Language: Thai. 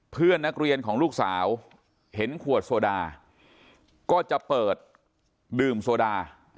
เพื่อนนักเรียนของลูกสาวเห็นขวดโซดาก็จะเปิดดื่มโซดา